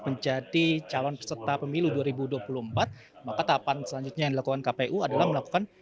menjadi calon peserta pemilu dua ribu dua puluh empat maka tahapan selanjutnya yang dilakukan kpu adalah melakukan